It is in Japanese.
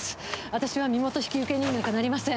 私は身元引受人になんかなりません。